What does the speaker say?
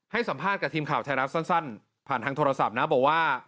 ให้สัมภาษณ์กับทีมข่าวไทยรัฐสั้นผ่านทางโทรศัพท์นะบอกว่า